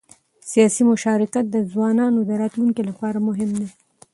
سیاسي مشارکت د ځوانانو د راتلونکي لپاره مهم دی